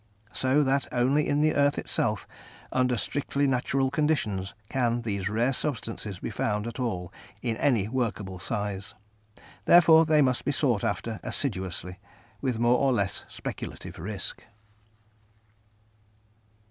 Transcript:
So that only in the earth itself, under strictly natural conditions, can these rare substances be found at all in any workable size; therefore they must be sought after assiduously, with more or less speculative risk.